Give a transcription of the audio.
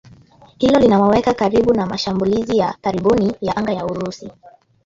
Hilo linawaweka karibu na mashambulizi ya karibuni ya anga ya Urusi